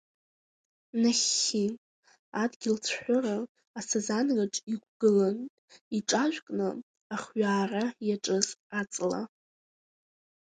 Нахьхьи, адгьыл цәҳәыра асазанраҿ иқәгылан, иҿажәкны ахҩаара иаҿыз аҵла.